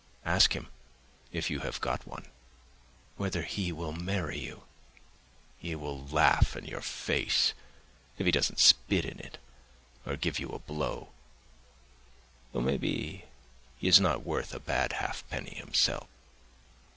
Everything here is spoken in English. Ask him, if you have got one, whether he will marry you. He will laugh in your face, if he doesn't spit in it or give you a blow—though maybe he is not worth a bad halfpenny himself.